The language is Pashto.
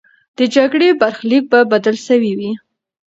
د جګړې برخلیک به بدل سوی وي.